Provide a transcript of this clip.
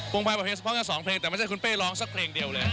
วงไม้ปล่อยเพลงสองเพลงแต่ไม่ใช่คุณเป้ร้องสักเพลงเดียวเลย